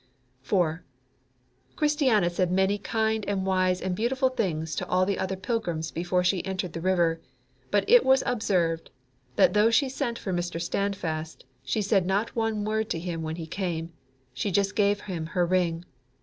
4. Christiana said many kind and wise and beautiful things to all the other pilgrims before she entered the river, but it was observed that though she sent for Mr. Standfast, she said not one word to him when he came; she just gave him her ring.